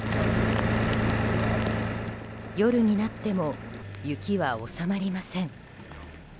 夜になっても雪は収まりません。